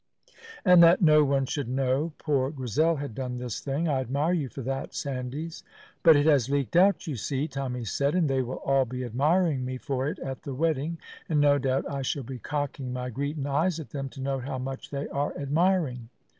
"And that no one should know poor Grizel had done this thing. I admire you for that, Sandys." "But it has leaked out, you see," Tommy said; "and they will all be admiring me for it at the wedding, and no doubt I shall be cocking my greetin' eyes at them to note how much they are admiring."